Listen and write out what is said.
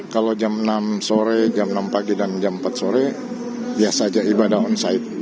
kalau jam enam sore jam enam pagi dan jam empat sore biasa aja ibadah onside